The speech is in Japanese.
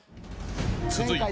［続いて］